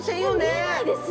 見えないです！